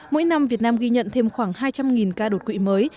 mỗi năm việt nam ghi nhận thêm khoảng hai trăm linh ca đột quỵ mới